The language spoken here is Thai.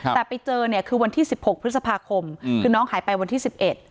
แต่ไปเจอเนี่ยคือวันที่๑๖พฤษภาคมคือน้องหายไปวันที่๑๑